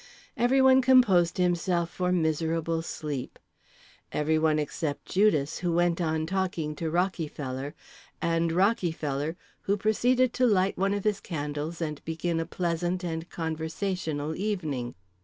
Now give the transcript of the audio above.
Everyone composed himself for miserable sleep. Everyone except Judas, who went on talking to Rockyfeller, and Rockyfeller, who proceeded to light one of his candles and begin a pleasant and conversational evening.